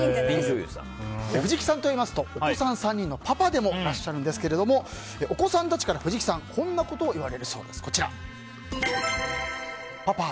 藤木さんといいますとお子さん３人のパパでもいらっしゃるんですけれどもお子さんたちから藤木さんこんなことを言われるそうです。